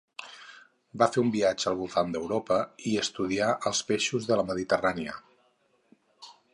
Va fer un viatge al voltant d'Europa i estudià els peixos de la Mediterrània.